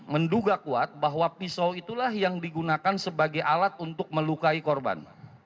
menduga kuat bahwa pisau itulah yang digunakan sebagai alat untuk melukai korban